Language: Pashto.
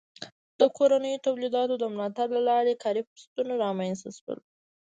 د کورنیو تولیداتو د ملاتړ له لارې کاري فرصتونه رامنځته سول.